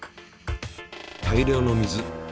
大量の水。